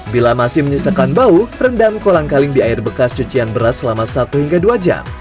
bila masih menyisakan bau rendam kolang kaling di air bekas cucian beras selama satu hingga dua jam